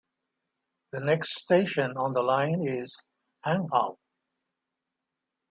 The next station on the line is Hang Hau.